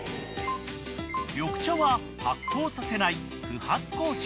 ［緑茶は発酵させない不発酵茶］